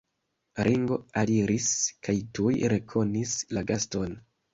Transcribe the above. Ringo aliris kaj tuj rekonis la gaston.